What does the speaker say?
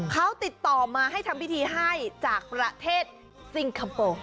เขาติดต่อมาให้ทำพิธีให้จากประเทศซิงคโปร์